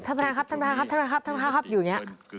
ท่านประธานครับท่านประธานครับท่านประธานครับท่านประธานครับอยู่อย่างนี้